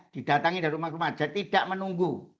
jadi tidak menunggu